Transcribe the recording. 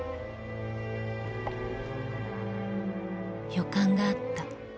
［予感があった］